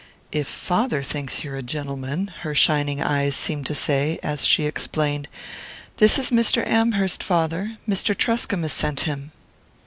"If father thinks you're a gentleman " her shining eyes seemed to say, as she explained: "This is Mr. Amherst, father: Mr. Truscomb has sent him."